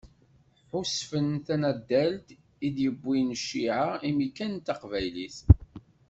Ḥusfen tanaddalt i d-yewwin cciɛa, imi kan d taqbaylit.